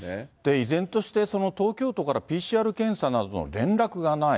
依然として、東京都からＰＣＲ検査などの連絡がない。